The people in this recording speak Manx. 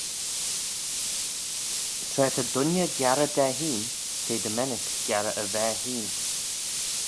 Tra ta dooinney giarrey da hene t'eh dy mennick giarrey y vair hene.